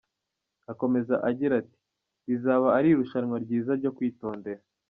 Akomeza agira ati “Rizaba ari irushanwa ryiza ryo kwitondera.